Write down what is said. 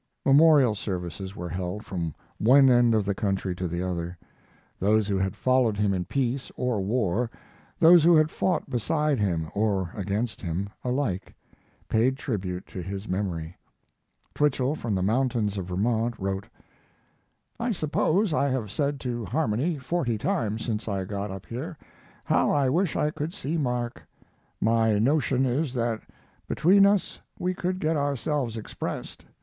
Memorial services were held from one end of the country to the other. Those who had followed him in peace or war, those who had fought beside him or against him, alike paid tribute to his memory. Twichell, from the mountains of Vermont, wrote: I suppose I have said to Harmony forty times since I got up here, "How I wish I could see Mark!" My notion is that between us we could get ourselves expressed.